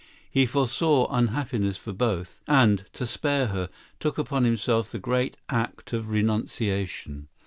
He foresaw unhappiness for both, and, to spare her, took upon himself the great act of renunciation.